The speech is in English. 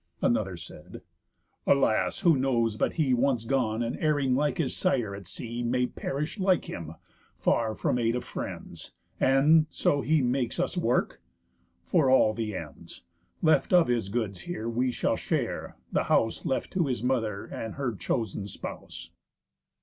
Another said: "Alas, who knows but he Once gone, and erring like his sire at sea, May perish like him, far from aid of friends, And so he makes us work? For all the ends Left of his goods here we shall share, the house Left to his mother and her chosen spouse."